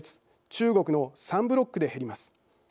中国の３ブロックで減ります。